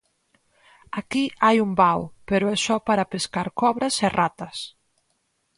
Aquí hai un vao, pero é só para pescar cobras e ratas.